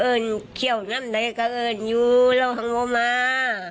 เอิญเคี่ยวน้ำใดก็เอิญอยู่แล้วทั้งโมม้า